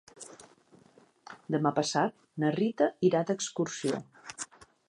Demà passat na Rita irà d'excursió.